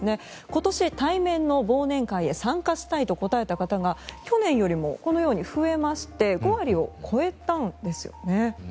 今年、対面の忘年会へ参加したいと答えた方が去年よりもこのように増えまして５割を超えたんですよね。